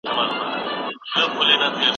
غیر قانوني ډلي بې وسلې کیدلې.